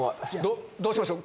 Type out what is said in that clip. どうしましょう？